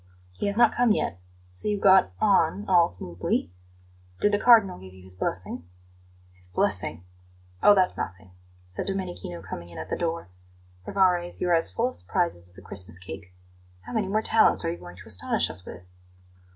"He has not come yet. So you got on all smoothly? Did the Cardinal give you his blessing?" "His blessing? Oh, that's nothing," said Domenichino, coming in at the door. "Rivarez, you're as full of surprises as a Christmas cake. How many more talents are you going to astonish us with?"